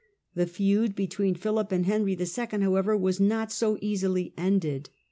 The feud between Philip and Henry II., however, was not so easily ended.